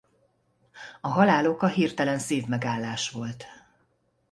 A halál oka hirtelen szívmegállás volt.